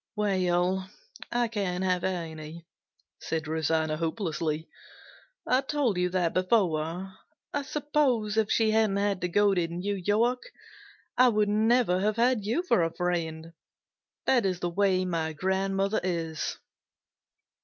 "Well, I can't have any," said Rosanna hopelessly. "I told you that before. I suppose if she hadn't had to go to New York, I would never have had you for a friend. That is the way my grandmother is."